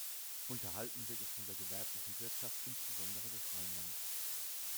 Unterhalten wird es von der gewerblichen Wirtschaft insbesondere des Rheinlands.